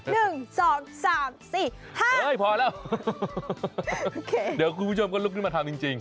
๑๒๓๔๕เฮ้ยพอแล้วโอเคเดี๋ยวคุณผู้ชมก็ลุกนึงมาทำจริง